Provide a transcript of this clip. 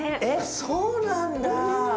えっそうなんだ。